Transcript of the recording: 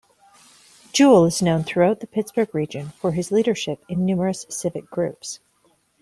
Jewell is known throughout the Pittsburgh region for his leadership in numerous civic groups.